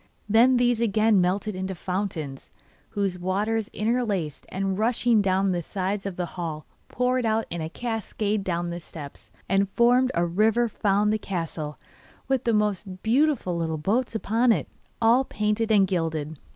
Then these again melted into fountains, whose waters interlaced and, rushing down the sides of the hall, poured out in a cascade down the steps, and formed a river found the castle, with the most beautiful little boats upon it, all painted and gilded.